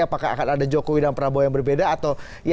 apakah akan ada jokowi dan prabowo yang akan menanggung kita